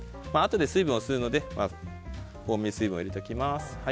あとで水分を吸うので多めに水分を入れておきます。